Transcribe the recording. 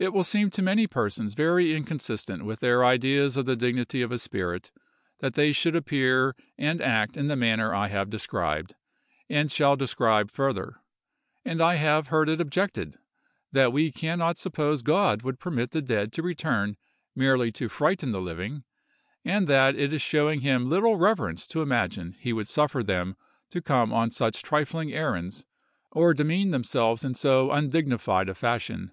It will seem to many persons very inconsistent with their ideas of the dignity of a spirit that they should appear and act in the manner I have described, and shall describe further; and I have heard it objected that we can not suppose God would permit the dead to return merely to frighten the living, and that it is showing him little reverence to imagine he would suffer them to come on such trifling errands, or demean themselves in so undignified a fashion.